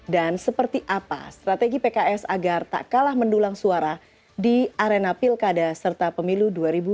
dan seperti apa strategi pks agar tak kalah mendulang suara di arena pilkada serta pemilu dua ribu dua puluh empat